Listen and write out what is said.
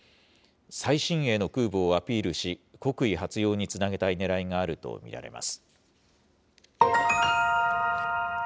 最新鋭の空母をアピールし、国威発揚につなげたいねらいがあると見られます。